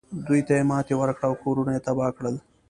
دوی ته یې ماتې ورکړه او کورونه یې تباه کړل.